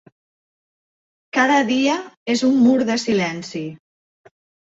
Cada dia és un mur de silenci.